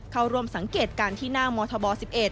เข้าร่วมสังเกตการณ์ที่หน้ามธบ๑๑